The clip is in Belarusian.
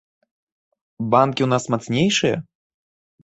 Банкі ў нас мацнейшыя?